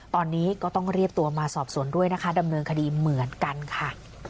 ตอนนี้ก็ต้องเรียกตัวมาสอบสวนด้วยนะคะดำเนินคดีเหมือนกันค่ะ